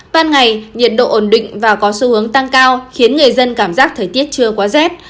ban ngày nhiệt độ ổn định và có xu hướng tăng cao khiến người dân cảm giác thời tiết chưa quá rét